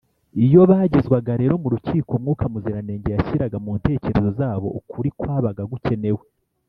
iyo bagezwaga rero mu rukiko, mwuka muziranenge yashyiraga mu ntekerezo zabo ukuri kwabaga gukenewe